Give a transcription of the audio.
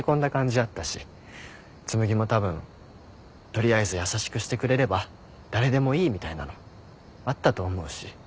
紬もたぶん取りあえず優しくしてくれれば誰でもいいみたいなのあったと思うし。